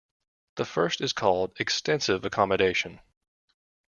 The first is called extensive accommodation.